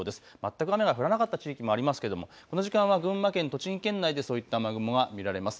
全く雨が降らなかった地域もありますけれどもこの時間は群馬県、栃木県内でそういった雨雲が見られます。